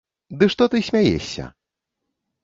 Ды што ты смяешся!